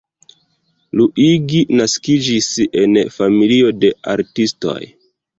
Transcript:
Luigi naskiĝis en familio de artistoj.